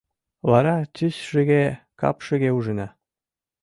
Вара тӱсшыге, капшыге ужына.